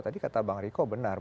tadi kata bang riko benar